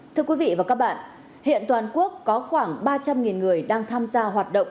thưa quý vị và các bạn hiện toàn quốc có khoảng ba trăm linh người đang tham gia hoạt động